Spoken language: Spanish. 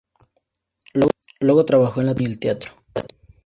Luego trabajó en la televisión y el teatro.